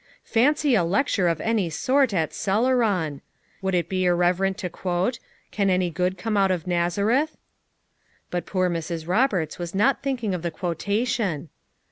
Fancy a lec ture of any sort at Celeron! Would it be ir reverent to quote: 'Can any good come out of Nazareth?'" But poor Mrs. Koberts was not thinking of the quotation.